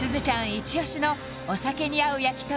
イチ押しのお酒に合う焼き鳥